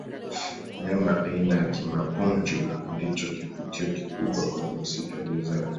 wanyama aina ya kimapunju ndicho kivutio kikubwa kwenye msitu wa jozani